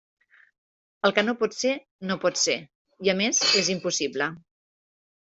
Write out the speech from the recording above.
El que no pot ser, no pot ser, i a més és impossible.